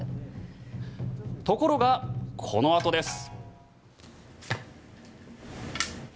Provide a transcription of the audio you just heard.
ところが、このあとです。